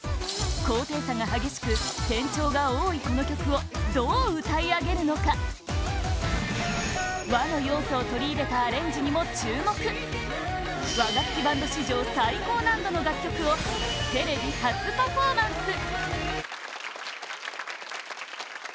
高低差が激しく転調が多いこの曲をどう歌い上げるのか和の要素を取り入れたアレンジにも注目和楽器バンド史上最高難度の楽曲をテレビ初パフォーマンス！